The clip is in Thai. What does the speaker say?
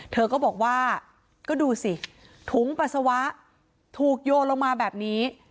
เธอก็บอกว่าก็ดูสิถุงปัสสาวะถูกโยนลงมาแบบนี้